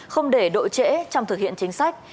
không để độ trễ trong thực hiện chính sách